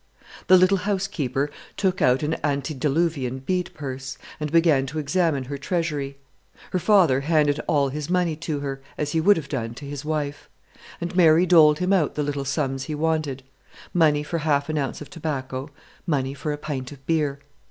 The little housekeeper took out an antediluvian bead purse, and began to examine her treasury. Her father handed all his money to her, as he would have done to his wife; and Mary doled him out the little sums he wanted, money for half an ounce of tobacco, money for a pint of beer.